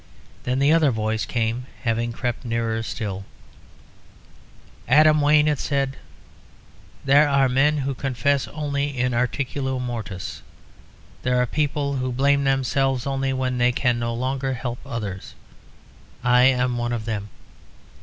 Then the other voice came, having crept nearer still. [Illustration: "WAYNE, IT WAS ALL A JOKE."] "Adam Wayne," it said, "there are men who confess only in articulo mortis; there are people who blame themselves only when they can no longer help others. I am one of them.